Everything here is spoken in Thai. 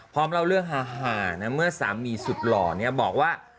เล่าเรื่องฮานะเมื่อสามีสุดหล่อบอกว่า